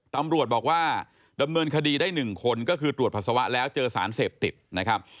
ตำรวจบอกว่าดำเนินคดีได้๑คนก็คือตรวจปัสสาวะแล้วเจอสารเสพติดนะครับ